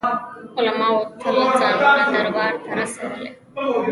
علماوو تل ځانونه دربار ته رسولي دي.